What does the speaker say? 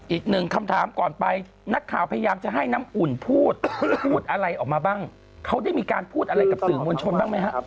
อีกหนึ่งคำถามก่อนไปนักข่าวพยายามจะให้น้ำอุ่นพูดพูดอะไรออกมาบ้างเขาได้มีการพูดอะไรกับสื่อมวลชนบ้างไหมฮะ